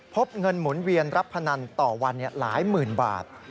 พบเงินหมุนเวียนรับพนันต่อวันหลายหมื่นบาท